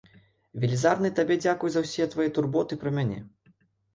Велізарны табе дзякуй за ўсе твае турботы пра мяне.